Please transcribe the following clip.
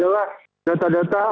lapas kelas satu tangerang